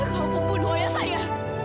kau pembunuh ayah saya